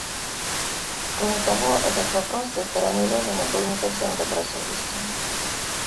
Кроме того, этот вопрос со стороны Левина был не совсем добросовестен.